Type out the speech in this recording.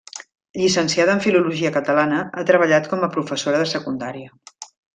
Llicenciada en filologia catalana, ha treballat com a professora de secundària.